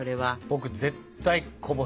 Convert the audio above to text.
僕絶対こぼす。